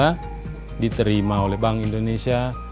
yang diterima oleh bank indonesia